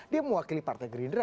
dia mewakili partai gerindra